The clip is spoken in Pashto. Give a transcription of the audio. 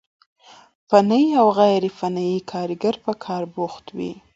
فني او غير فني کاريګر په کار بوخت وي،